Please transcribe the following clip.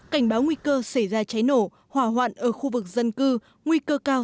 cảnh báo nguy cơ xảy ra cháy nổ hỏa hoạn ở khu vực dân cư nguy cơ cao xảy ra cháy rơi